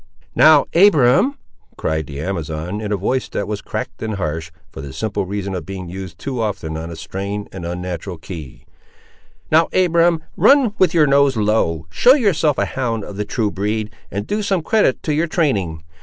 "Now, Abiram;" cried the Amazon, in a voice that was cracked and harsh, for the simple reason of being used too often on a strained and unnatural key, "now, Abiram, run with your nose low; show yourself a hound of the true breed, and do some credit to your training.